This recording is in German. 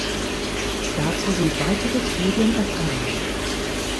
Dazu sind weitere Studien erforderlich.